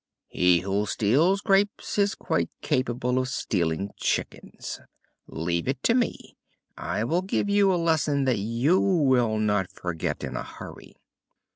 "He who steals grapes is quite capable of stealing chickens. Leave it to me, I will give you a lesson that you will not forget in a hurry."